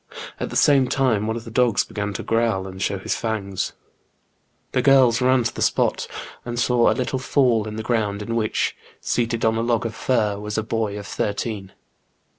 At the same time one of the dogs began to growl and show his fangs. JEAN GRENIEB. 87 The girls ran to the spot, and saw a little fall in the ground, in which, seated on a log of fir, was a boy of thirteen.